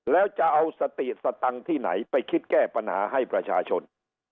แล้วจะเอาสติสตังค์ที่ไหนไปคิดแก้ปัญหาให้ประชาชน